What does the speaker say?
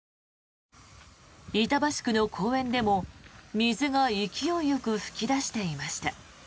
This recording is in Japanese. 板橋区の公園でも、水が勢いよく噴き出していました。